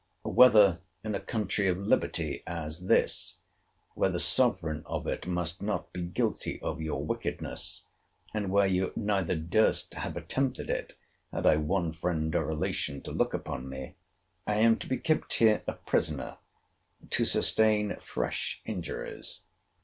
Whether, in a country of liberty, as this, where the sovereign of it must not be guilty of your wickedness, and where you neither durst have attempted it, had I one friend or relation to look upon me, I am to be kept here a prisoner, to sustain fresh injuries?